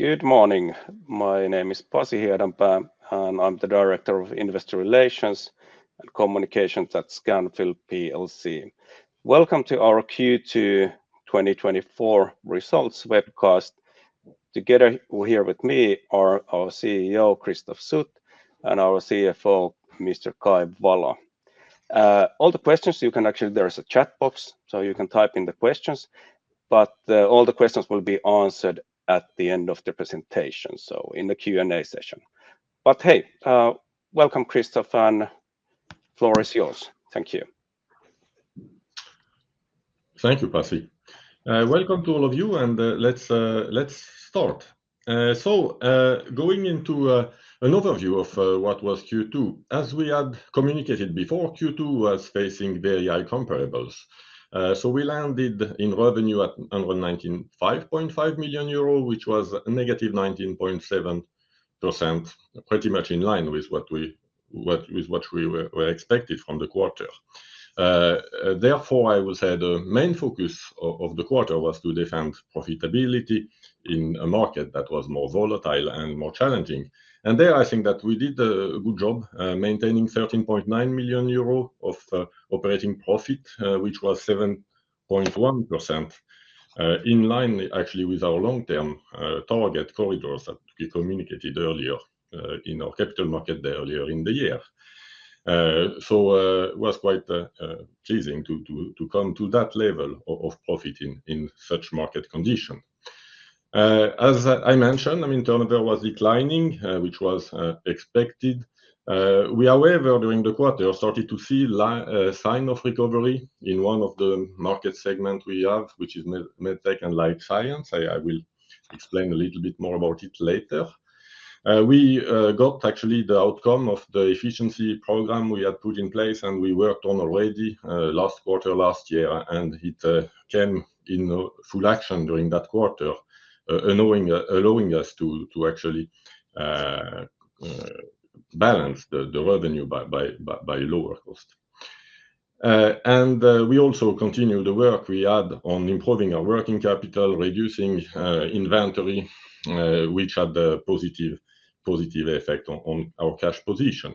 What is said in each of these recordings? Good morning. My name is Pasi Hiedanpää, and I'm the director of Investor Relations and Communications at Scanfil PLC. Welcome to our Q2 2024 results webcast. Together here with me are our CEO, Christophe Sut, and our CFO, Mr. Kai Valo. All the questions, you can actually—there is a chat box, so you can type in the questions, but all the questions will be answered at the end of the presentation, so in the Q&A session. But, hey, welcome, Christophe, and floor is yours. Thank you. Thank you, Pasi. Welcome to all of you, and let's start. So, going into an overview of what was Q2. As we had communicated before, Q2 was facing very high comparables. So we landed in revenue at 195.5 million euro, which was a -19.7%, pretty much in line with what we were expected from the quarter. Therefore, I would say the main focus of the quarter was to defend profitability in a market that was more volatile and more challenging. I think that we did a good job maintaining 13.9 million euro of operating profit, which was 7.1% in line actually with our long-term target corridors that we communicated earlier in our capital market earlier in the year. So, it was quite pleasing to come to that level of profit in such market condition. As I mentioned, I mean, turnover was declining, which was expected. We, however, during the quarter, started to see sign of recovery in one of the market segment we have, which is Medtech and life science. I will explain a little bit more about it later. We got actually the outcome of the efficiency program we had put in place, and we worked on already last quarter, last year, and it came in full action during that quarter, allowing us to actually balance the revenue by lower cost. We also continued the work we had on improving our working capital, reducing inventory, which had a positive effect on our cash position.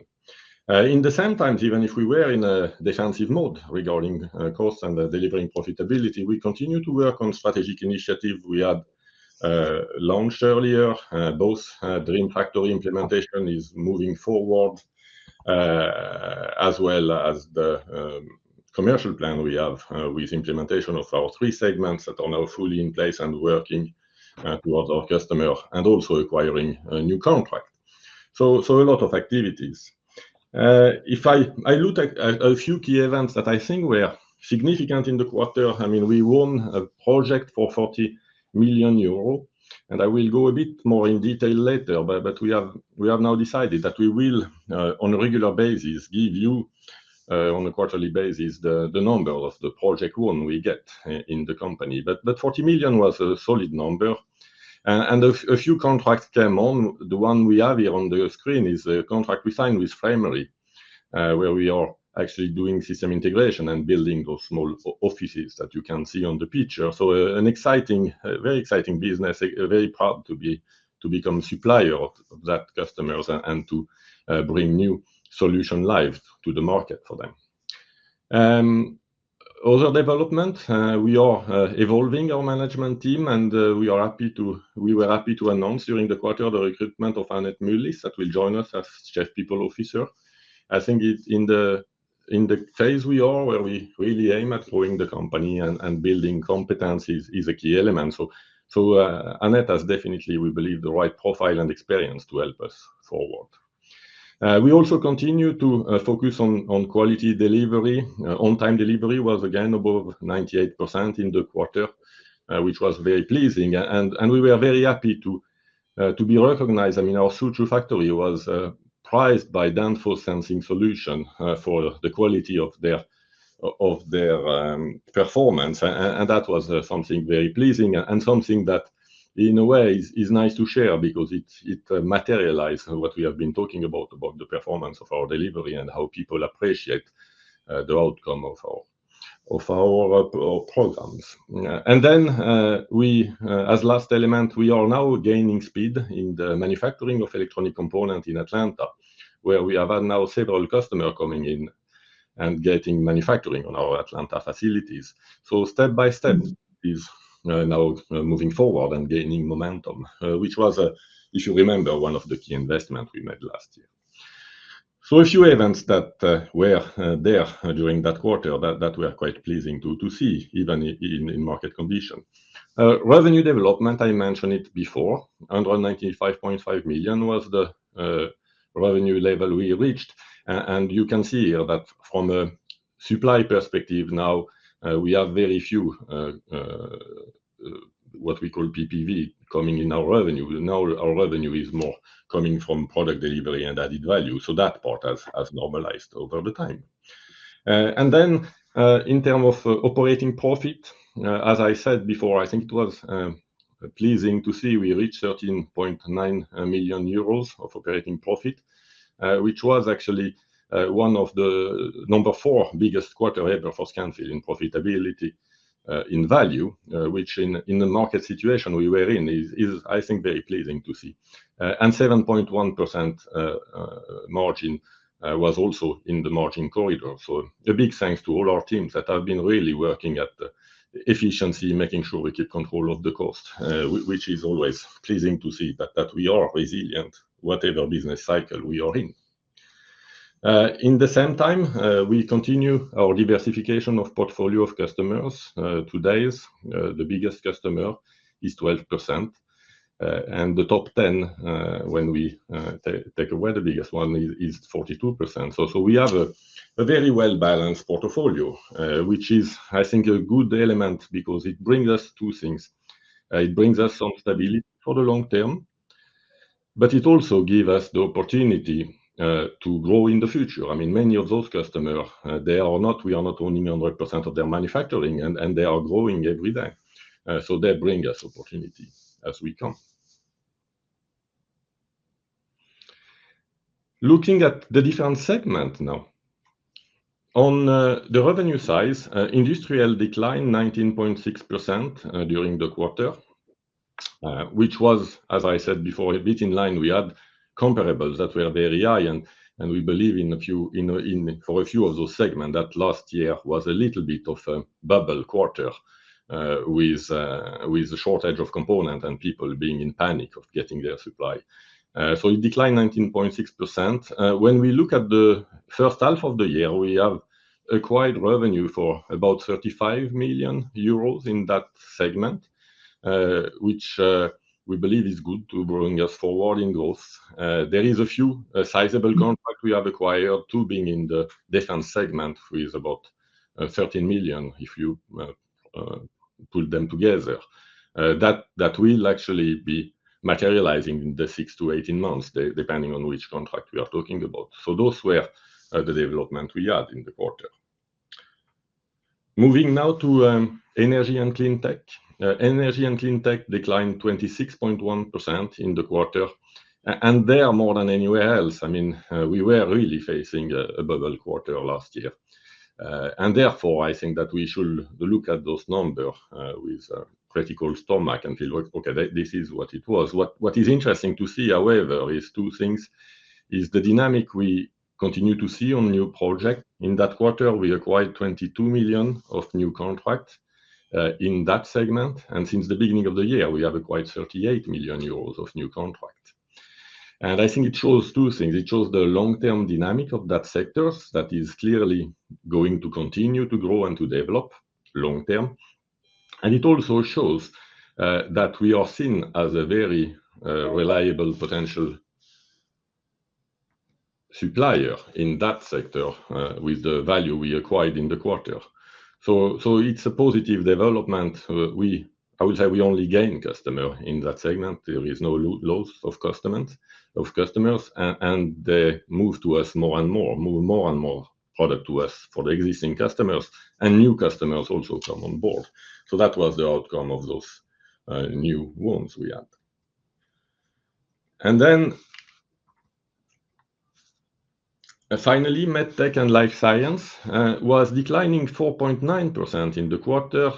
In the same time, even if we were in a defensive mode regarding cost and delivering profitability, we continued to work on strategic initiative we had launched earlier. Both, Dream Factory implementation is moving forward, as well as the commercial plan we have, with implementation of our three segments that are now fully in place and working, towards our customer and also acquiring a new contract. So a lot of activities. If I look at a few key events that I think were significant in the quarter, I mean, we won a project for 40 million euro, and I will go a bit more in detail later, but we have now decided that we will, on a regular basis, give you, on a quarterly basis, the number of the project won we get in the company. But forty million was a solid number, and a few contracts came on. The one we have here on the screen is a contract we signed with Framery, where we are actually doing system integration and building of small offices that you can see on the picture. So, an exciting, a very exciting business, we're very proud to be, to become supplier of that customer and to bring new solution live to the market for them. Other development, we are evolving our management team, and we were happy to announce during the quarter the recruitment of Anette Mullis, that will join us as Chief People Officer. I think it's in the phase we are, where we really aim at growing the company and building competencies is a key element. So, Anette has definitely, we believe, the right profile and experience to help us forward. We also continue to focus on quality delivery. On-time delivery was again above 98% in the quarter, which was very pleasing, and we were very happy to be recognized. I mean, our Suzhou factory was prized by Danfoss Sensing Solutions for the quality of their performance, and that was something very pleasing and something that, in a way, is nice to share because it materialized what we have been talking about, about the performance of our delivery and how people appreciate the outcome of our programs. And then, as last element, we are now gaining speed in the manufacturing of electronic component in Atlanta, where we have now several customer coming in and getting manufacturing on our Atlanta facilities. So step by step is now moving forward and gaining momentum, which was, if you remember, one of the key investment we made last year. So a few events that were there during that quarter, that were quite pleasing to see, even in market condition. Revenue development, I mentioned it before, 95.5 million was the revenue level we reached. And you can see here that from a supply perspective, now, we have very few, what we call PPV, coming in our revenue. Now our revenue is more coming from product delivery and added value, so that part has normalized over the time. And then, in term of operating profit, as I said before, I think it was... Pleasing to see we reached 13.9 million euros of operating profit, which was actually one of the number four biggest quarter ever for Scanfil in profitability, in value, which in the market situation we were in is, I think, very pleasing to see. And 7.1% margin was also in the margin corridor. So a big thanks to all our teams that have been really working at the efficiency, making sure we keep control of the cost, which is always pleasing to see that we are resilient, whatever business cycle we are in. In the same time, we continue our diversification of portfolio of customers. Today's the biggest customer is 12%, and the top ten, when we take away the biggest one is 42%. So we have a very well-balanced portfolio, which is, I think, a good element because it brings us two things: It brings us some stability for the long term, but it also give us the opportunity to grow in the future. I mean, many of those customer, they are not-- we are not owning 100% of their manufacturing, and they are growing every day, so they bring us opportunity as we come. Looking at the different segment now. On the revenue side, Industrial declined 19.6% during the quarter, which was, as I said before, a bit in line. We had comparables that were very high, and we believe for a few of those segments that last year was a little bit of a bubble quarter, with the shortage of components and people being in panic of getting their supply. So it declined 19.6%. When we look at the first half of the year, we have acquired revenue for about 35 million euros in that segment, which we believe is good to bringing us forward in growth. There is a few sizable contracts we have acquired, two being in the defense segment, which is about 13 million, if you put them together. That will actually be materializing in the 6-18 months, depending on which contract we are talking about. So those were the development we had in the quarter. Moving now to energy and clean tech. Energy and clean tech declined 26.1% in the quarter, and they are more than anywhere else. I mean, we were really facing a bubble quarter last year. And therefore, I think that we should look at those number with a critical stomach and feel like, "Okay, this, this is what it was." What is interesting to see, however, is two things: the dynamic we continue to see on new project. In that quarter, we acquired 22 million of new contract in that segment, and since the beginning of the year, we have acquired 38 million euros of new contract. And I think it shows two things. It shows the long-term dynamic of that sector, that is clearly going to continue to grow and to develop long-term, and it also shows that we are seen as a very reliable potential supplier in that sector, with the value we acquired in the quarter. So it's a positive development. I would say we only gain customer in that segment. There is no loss of customers, and they move to us more and more, move more and more product to us for the existing customers, and new customers also come on board. So that was the outcome of those new wins we had. And then, finally, MedTech and Life Science was declining 4.9% in the quarter,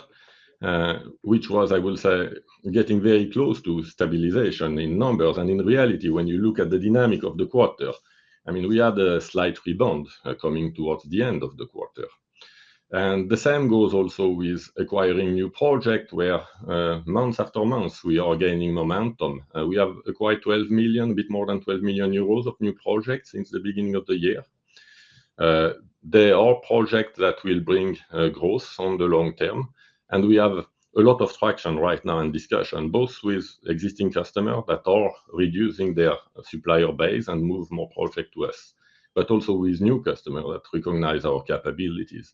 which was, I will say, getting very close to stabilization in numbers. In reality, when you look at the dynamic of the quarter, I mean, we had a slight rebound, coming towards the end of the quarter. The same goes also with acquiring new project, where, month after month, we are gaining momentum. We have acquired 12 million, a bit more than 12 million euros of new projects since the beginning of the year. They are project that will bring, growth on the long term, and we have a lot of traction right now in discussion, both with existing customer that are reducing their supplier base and move more project to us, but also with new customer that recognize our capabilities.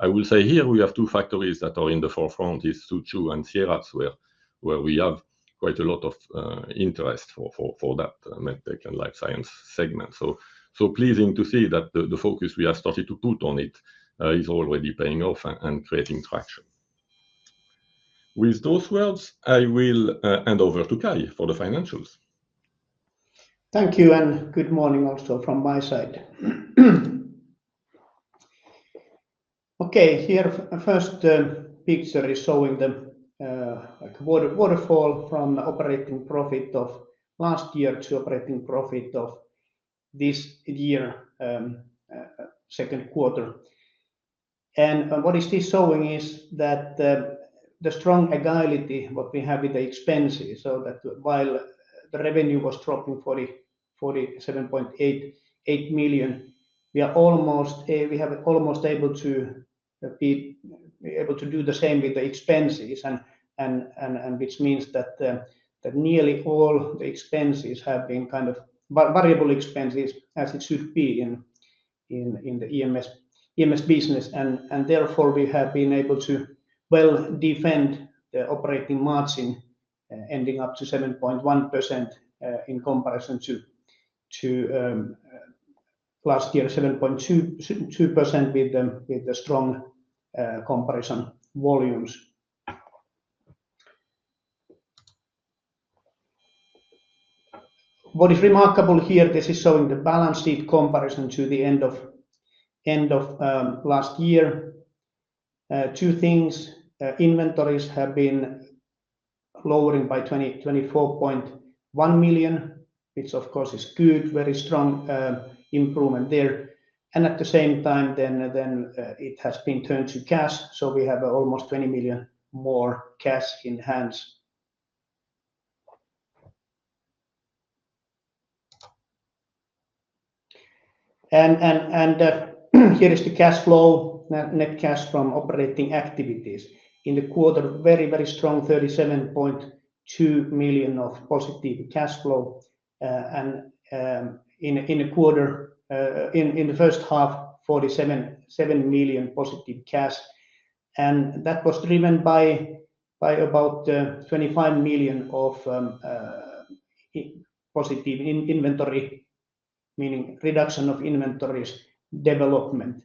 I will say here, we have two factories that are in the forefront, is Suzhou and Sieradz, where we have quite a lot of interest for that MedTech and Life Science segment. So pleasing to see that the focus we have started to put on it is already paying off and creating traction. With those words, I will hand over to Kai for the financials. Thank you, and good morning also from my side. Okay, here, first, picture is showing the, like waterfall from operating profit of last year to operating profit of this year, second quarter. And what is this showing is that the strong agility, what we have with the expenses, so that while the revenue was dropping 47.88 million, we are almost, we have almost able to, be, able to do the same with the expenses and, and, and which means that the, that nearly all the expenses have been kind of variable expenses, as it should be in the EMS business. And therefore, we have been able to well defend the operating margin, ending up to 7.1%, in comparison to... Last year, 7.22% with the, with the strong comparison volumes. What is remarkable here, this is showing the balance sheet comparison to the end of last year. Two things: inventories have been lowering by 24.1 million, which of course is good, very strong improvement there. And at the same time, then, it has been turned to cash, so we have almost 20 million more cash in hands. And here is the cash flow, net cash from operating activities. In the quarter, very strong 37.2 million of positive cash flow. And in a quarter, in the first half, 47.7 million positive cash, and that was driven by about 25 million of positive in-inventory, meaning reduction of inventories development.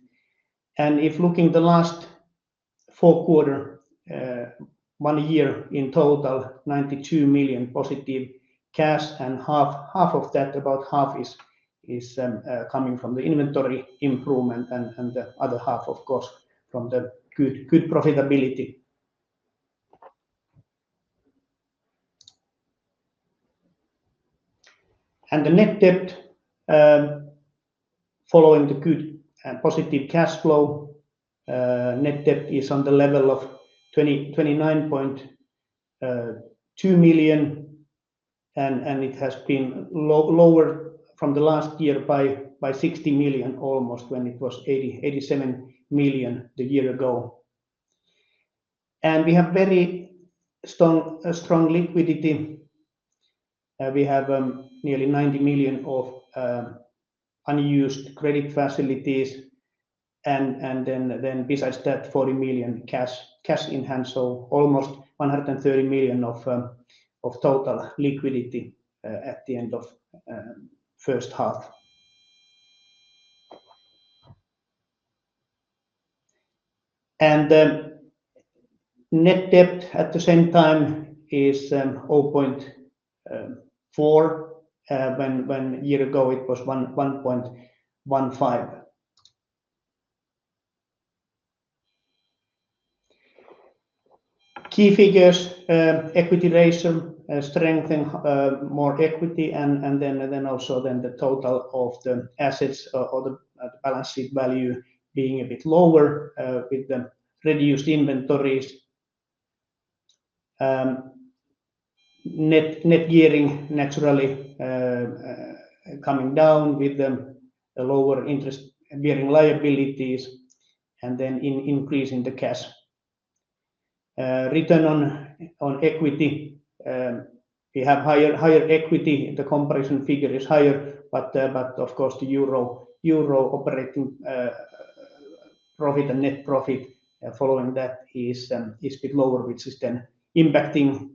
If looking at the last four quarters, one year in total, 92 million positive cash, and half of that, about half is coming from the inventory improvement, and the other half, of course, from the good profitability. The net debt, following the good and positive cash flow, net debt is on the level of 29.2 million, and it has been lower from the last year by almost 60 million, when it was 87 million a year ago. We have very strong liquidity. We have nearly 90 million of unused credit facilities, and then besides that, 40 million cash in hand, so almost 130 million of total liquidity at the end of first half. And the net debt at the same time is 0.4, when a year ago it was 1.15. Key figures, equity ratio strengthen, more equity, and then also the total of the assets or the balance sheet value being a bit lower with the reduced inventories. Net gearing naturally coming down with the lower interest-bearing liabilities and then increasing the cash. Return on equity, we have higher equity. The comparison figure is higher, but of course, the euro operating profit and net profit following that is a bit lower, which is then impacting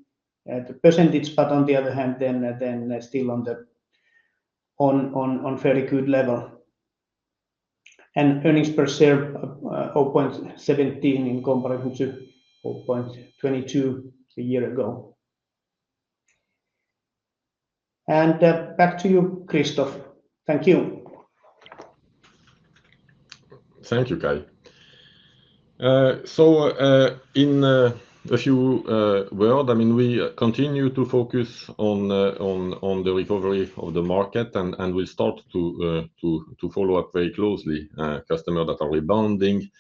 the percentage, but on the other hand, then still on the fairly good level. And earnings per share, 0.17 in comparison to 0.22 a year ago. And, back to you, Christophe. Thank you. Thank you, Kai. So, in a few word, I mean, we continue to focus on the recovery of the market, and we start to follow up very closely customer that are rebounding.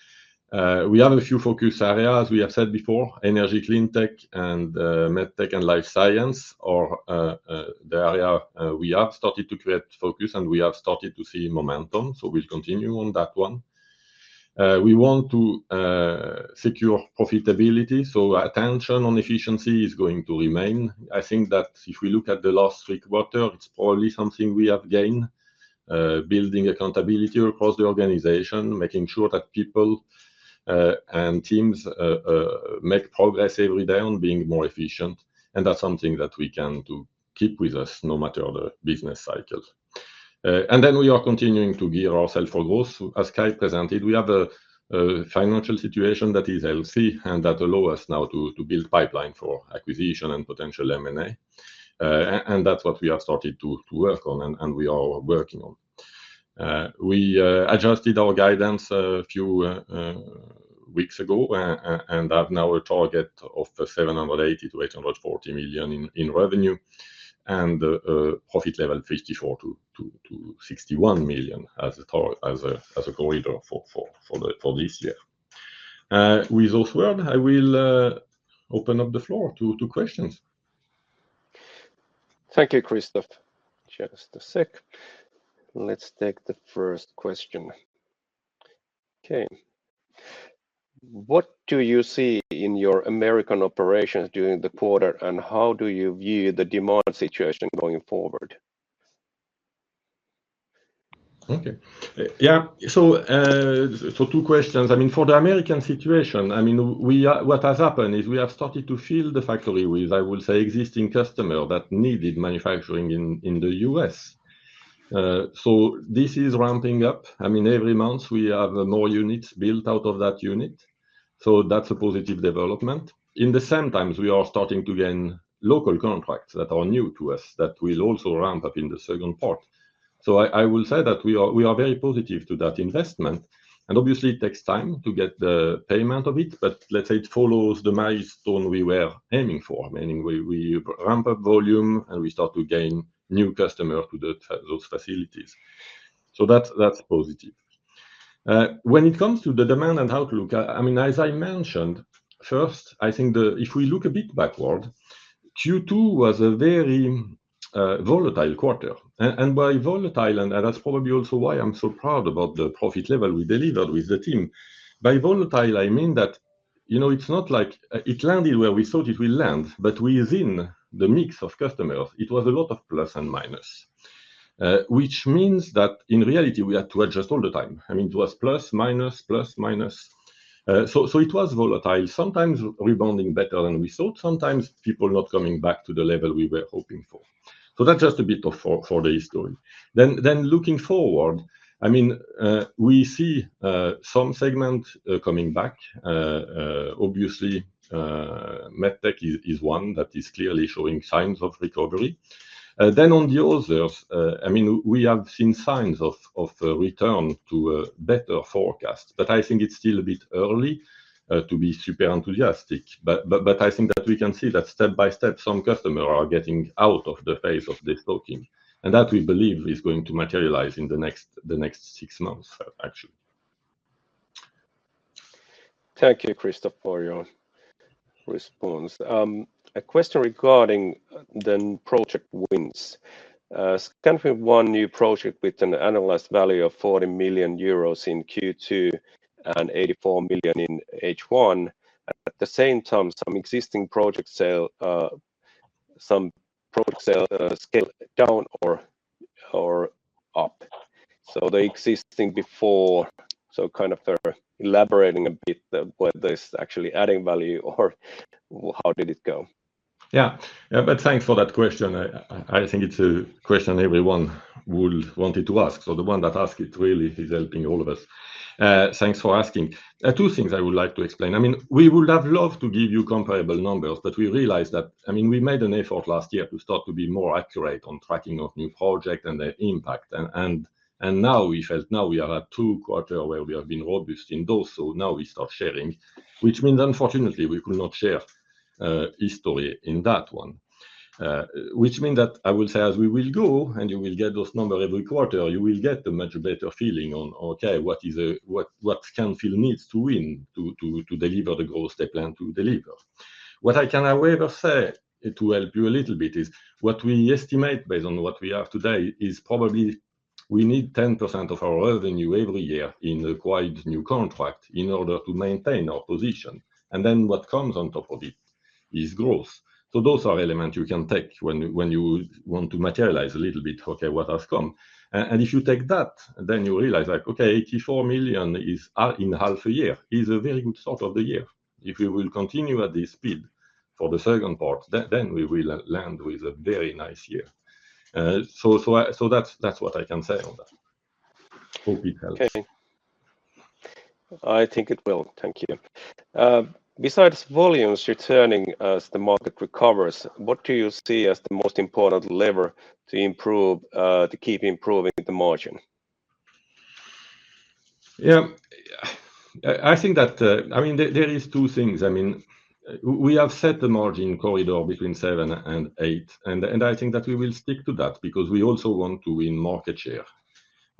We have a few focus areas, as we have said before: energy, clean tech, and medtech and life science, or the area we have started to create focus, and we have started to see momentum, so we'll continue on that one. We want to secure profitability, so attention on efficiency is going to remain. I think that if we look at the last three quarter, it's probably something we have gained, building accountability across the organization, making sure that people and teams make progress every day on being more efficient, and that's something that we can do keep with us, no matter the business cycles. Then we are continuing to gear ourself for growth. As Kai presented, we have a financial situation that is healthy and that allow us now to build pipeline for acquisition and potential M&A. And that's what we have started to work on and we are working on. We adjusted our guidance a few weeks ago and have now a target of 780 -840 million in revenue, and profit level 54 -61 million as a target as a corridor for this year. With those words, I will open up the floor to questions. Thank you, Christophe. Just a sec. Let's take the first question. Okay. What do you see in your American operations during the quarter, and how do you view the demand situation going forward? Okay. Yeah, so two questions. I mean, for the American situation, I mean, we are... What has happened is we have started to fill the factory with, I will say, existing customer that needed manufacturing in, in the U.S. So this is ramping up. I mean, every month we have more units built out of that unit, so that's a positive development. In the same time, we are starting to gain local contracts that are new to us, that will also ramp up in the second part. So I, I will say that we are, we are very positive to that investment, and obviously it takes time to get the payment of it, but let's say it follows the milestone we were aiming for. Meaning we, we ramp up volume, and we start to gain new customer to those facilities. So that, that's positive. When it comes to the demand and outlook, I mean, as I mentioned, first, I think the... If we look a bit backward, Q2 was a very, volatile quarter. And by volatile, and that's probably also why I'm so proud about the profit level we delivered with the team. By volatile, I mean that, you know, it's not like, it landed where we thought it will land, but within the mix of customers, it was a lot of plus and minus. Which means that in reality we had to adjust all the time. I mean, it was plus, minus, plus, minus. So it was volatile. Sometimes rebounding better than we thought, sometimes people not coming back to the level we were hoping for. So that's just a bit of for the story. Looking forward, I mean, we see some segment coming back. Obviously, MedTech is one that is clearly showing signs of recovery. Then on the others, I mean, we have seen signs of a return to a better forecast, but I think it's still a bit early to be super enthusiastic. But I think that we can see that step by step, some customer are getting out of the phase of this talking, and that we believe is going to materialize in the next six months, actually. Thank you, Christophe, for your response. A question regarding the project wins. Scanfil won new project with an analyzed value of 40 million euros in Q2 and 84 million in H1. At the same time, some existing project sale scaled down or up. So they existing before, so kind of they're elaborating a bit whether it's actually adding value or well, how did it go? Yeah. Yeah, but thanks for that question. I think it's a question everyone would wanted to ask. So the one that ask it really is helping all of us. Thanks for asking. Two things I would like to explain. I mean, we would have loved to give you comparable numbers, but we realized that... I mean, we made an effort last year to start to be more accurate on tracking of new project and their impact, and now we felt now we are at two quarter where we have been obvious in those, so now we start sharing. Which means, unfortunately, we could not share history in that one. Which means that, as we go, and you will get those numbers every quarter, you will get a much better feeling on, okay, what Scanfil needs to win to deliver the growth they plan to deliver. What I can however say, to help you a little bit, is what we estimate based on what we have today, is probably we need 10% of our revenue every year in acquired new contract in order to maintain our position, and then what comes on top of it is growth. So those are elements you can take when you want to materialize a little bit, okay, what has come? And if you take that, then you realize, like, okay, 84 million in half a year is a very good start of the year. If we will continue at this speed for the second part, then we will land with a very nice year. So that's what I can say on that. Hope it helps. Okay. I think it will. Thank you. Besides volumes returning as the market recovers, what do you see as the most important lever to improve, to keep improving the margin? Yeah. I think that, I mean, there is two things. I mean, we have set the margin corridor between 7 and 8, and I think that we will stick to that because we also want to win market share.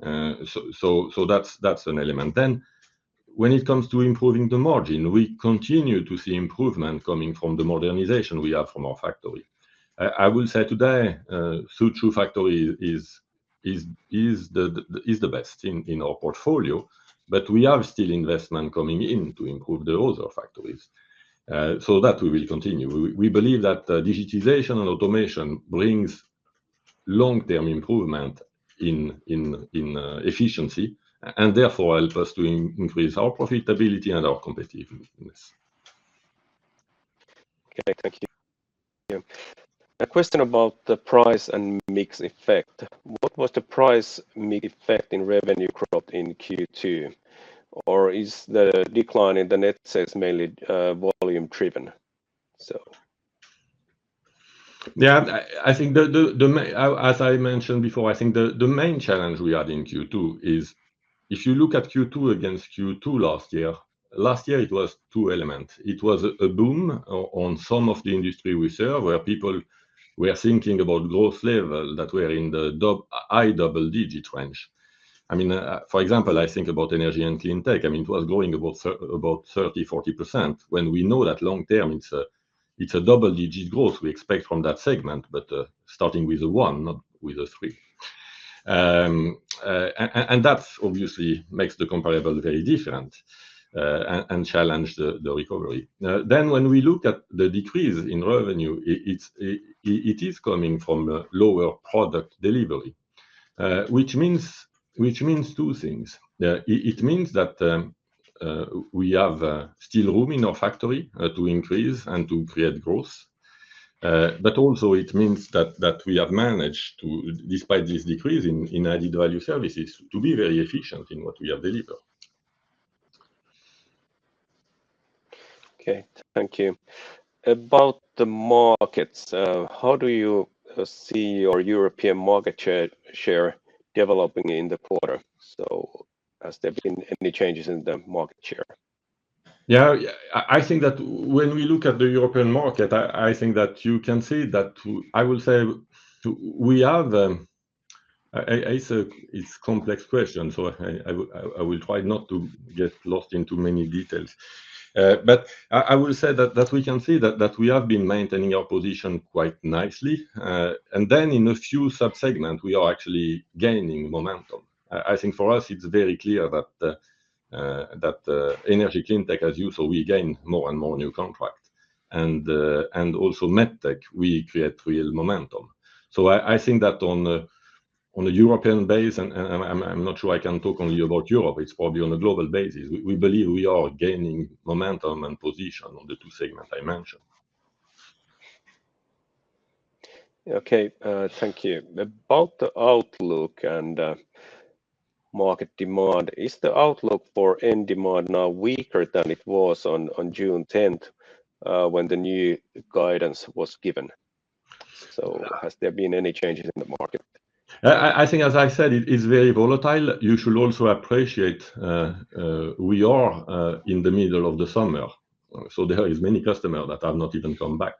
So that's an element. Then, when it comes to improving the margin, we continue to see improvement coming from the modernization we have from our factory. I will say today, Suzhou factory is the best in our portfolio, but we have still investment coming in to improve the other factories. So that will continue. We believe that digitization and automation brings long-term improvement in efficiency, and therefore help us to increase our profitability and our competitiveness. Okay. Thank you. Yeah. A question about the price and mix effect. What was the price mix effect in revenue growth in Q2, or is the decline in the net sales mainly volume driven? So... Yeah. I think, as I mentioned before, I think the main challenge we had in Q2 is, if you look at Q2 against Q2 last year, last year it was two element. It was a boom on some of the industry we serve, where people were thinking about growth level, that we are in the high double-digit range. I mean, for example, I think about energy and clean tech. I mean, it was growing about 30, 40%, when we know that long term it's a double-digit growth we expect from that segment, but, starting with a 1, not with a 3. And that obviously makes the comparable very different, and challenge the recovery. Then when we look at the decrease in revenue, it is coming from lower product delivery, which means two things. It means that we have still room in our factory to increase and to create growth. But also it means that we have managed to, despite this decrease in added value services, to be very efficient in what we have delivered. Okay, thank you. About the markets, how do you see your European market share developing in the quarter? So has there been any changes in the market share? Yeah, yeah, I think that when we look at the European market, I think that you can see that. I will say we have. So it's complex question, so I will try not to get lost in too many details. But I will say that we can see that we have been maintaining our position quite nicely. And then in a few sub-segments, we are actually gaining momentum. I think for us it's very clear that Energy & Cleantech, as usual, we gain more and more new contract. And also Medtech, we create real momentum. So I think that on a European basis, and I'm not sure I can talk only about Europe, it's probably on a global basis, we believe we are gaining momentum and position on the two segments I mentioned. Okay, thank you. About the outlook and market demand, is the outlook for end demand now weaker than it was on June tenth, when the new guidance was given? So has there been any changes in the market? I think as I said, it is very volatile. You should also appreciate, we are in the middle of the summer, so there is many customer that have not even come back.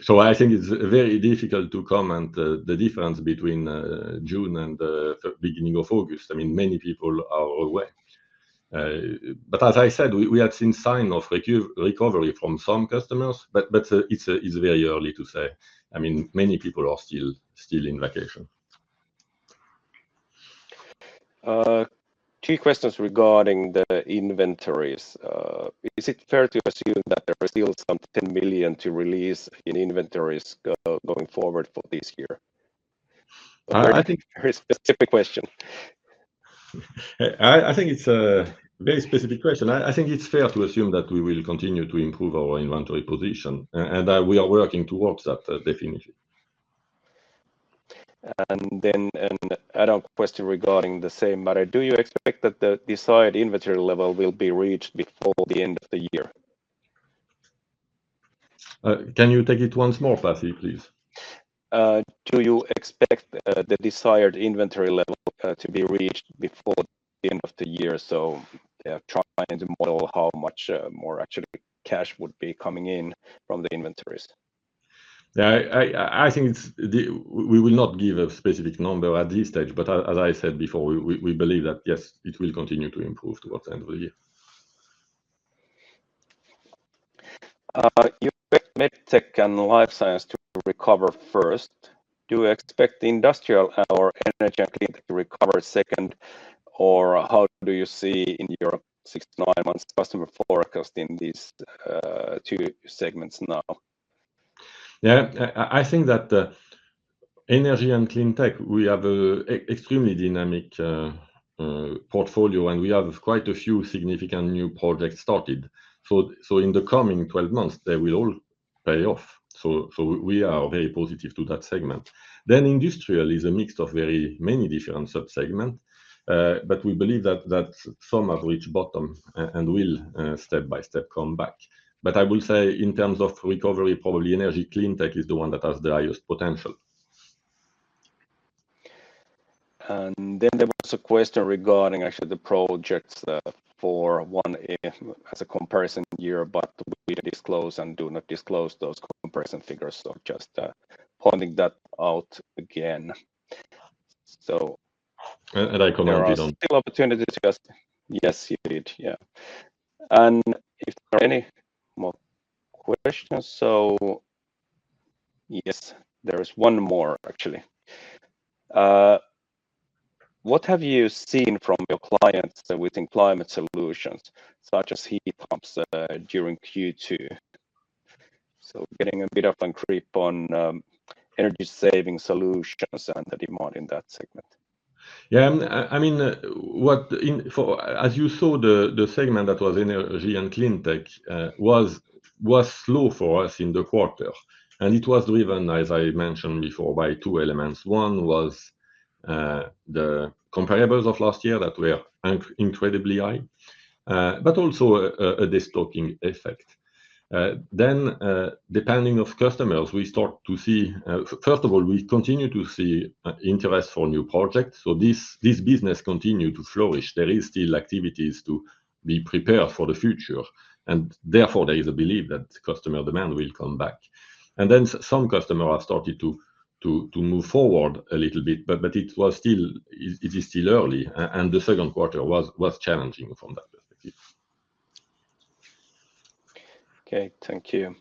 So I think it's very difficult to comment the difference between June and beginning of August. I mean, many people are away. But as I said, we have seen sign of recovery from some customers. But it's very early to say. I mean, many people are still in vacation. Two questions regarding the inventories. Is it fair to assume that there are still some 10 million to release in inventories going forward for this year? I think- Very specific question. I think it's a very specific question. I think it's fair to assume that we will continue to improve our inventory position, and that we are working towards that, definitely. Then, an add-on question regarding the same matter: Do you expect that the desired inventory level will be reached before the end of the year? Can you take it once more, Pasi, please? Do you expect the desired inventory level to be reached before the end of the year? So, trying to model how much more actually cash would be coming in from the inventories. Yeah, I think it's the... we will not give a specific number at this stage, but as I said before, we believe that, yes, it will continue to improve towards the end of the year. You expect Medtech and Life Science to recover first. Do you expect Industrial or Energy & Cleantech to recover second, or how do you see in your 6-9 months customer forecast in these two segments now? Yeah, I think that energy and clean tech, we have an extremely dynamic portfolio, and we have quite a few significant new projects started. So in the coming 12 months, they will all pay off. So we are very positive to that segment. Then Industrial is a mix of very many different sub-segments, but we believe that some have reached bottom and will step by step come back. But I will say, in terms of recovery, probably energy clean tech is the one that has the highest potential. And then there was a question regarding actually the projects, for one, as a comparison year, but we disclose and do not disclose those comparison figures. So, just pointing that out again. So- I comment we don't- There are still opportunities to ask. Yes, you did. Yeah. And if there are any more questions? So yes, there is one more, actually. What have you seen from your clients within climate solutions, such as heat pumps, during Q2? So getting a bit of a creep on, energy saving solutions and the demand in that segment. Yeah, I mean, what... In, for, as you saw, the segment that was Energy & Cleantech was slow for us in the quarter, and it was driven, as I mentioned before, by two elements. One was the comparables of last year that were incredibly high, but also a destocking effect. Then, depending on customers, we start to see, first of all, we continue to see interest for new projects. So this business continue to flourish. There is still activities to be prepared for the future, and therefore, there is a belief that customer demand will come back. And then some customers have started to move forward a little bit, but it is still early, and the second quarter was challenging from that perspective. Okay, thank you.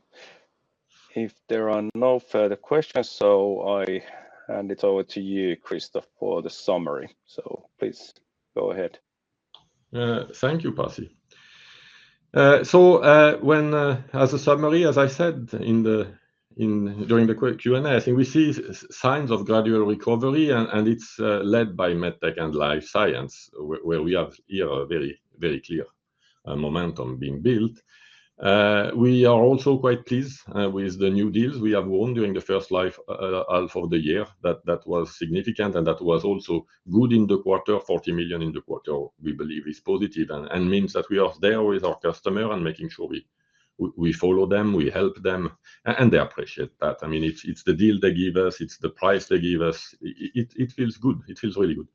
If there are no further questions, so I hand it over to you, Christophe, for the summary. Please go ahead. Thank you, Pasi. ... So, as a summary, as I said, in the, in during the quick Q&A, I think we see signs of gradual recovery, and it's led by Medtech and Life Science, where we have here a very, very clear momentum being built. We are also quite pleased with the new deals we have won during the first half of the year. That was significant, and that was also good in the quarter. 40 million in the quarter, we believe is positive and means that we are there with our customer and making sure we follow them, we help them, and they appreciate that. I mean, it's the deal they give us, it's the price they give us. It feels good. It feels really good.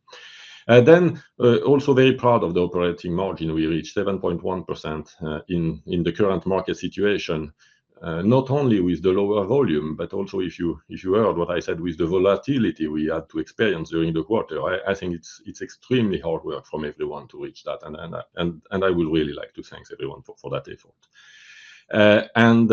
And then also very proud of the operating margin. We reached 7.1%, in the current market situation, not only with the lower volume, but also, if you heard what I said, with the volatility we had to experience during the quarter. I think it's extremely hard work from everyone to reach that, and I would really like to thank everyone for that effort. And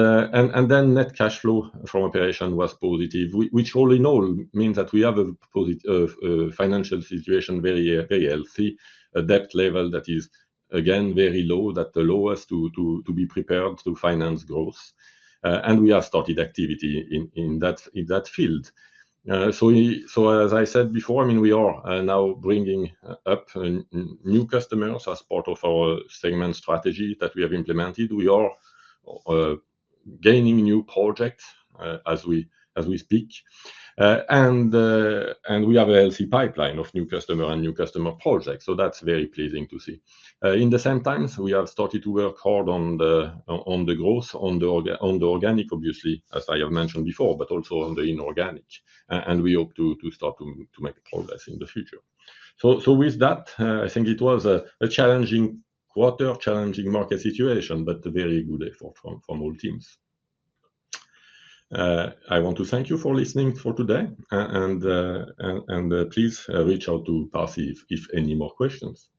then net cash flow from operation was positive, which all in all means that we have a positive financial situation very, very healthy. A debt level that is, again, very low, at the lowest to be prepared to finance growth, and we have started activity in that field. So, as I said before, I mean, we are now bringing up new customers as part of our segment strategy that we have implemented. We are gaining new projects as we speak, and we have a healthy pipeline of new customer and new customer projects, so that's very pleasing to see. In the same time, we have started to work hard on the growth, on the organic, obviously, as I have mentioned before, but also on the inorganic. And we hope to start to make progress in the future. So, with that, I think it was a challenging quarter, challenging market situation, but a very good effort from all teams. I want to thank you for listening for today, and please reach out to Pasi if any more questions.